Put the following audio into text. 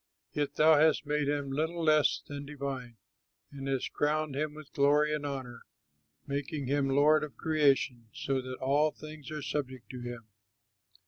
Yet thou hast made him little less than divine, And hast crowned him with glory and honor, Making him lord of creation, So that all things are subject to him.